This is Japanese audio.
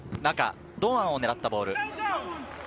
堂安を狙ったボール。